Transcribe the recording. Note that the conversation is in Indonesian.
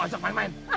kamu ajak main main